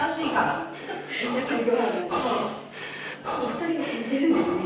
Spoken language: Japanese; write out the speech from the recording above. お二人似てるんですね。